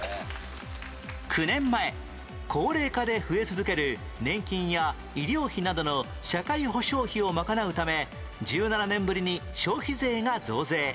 ９年前高齢化で増え続ける年金や医療費などの社会保障費を賄うため１７年ぶりに消費税が増税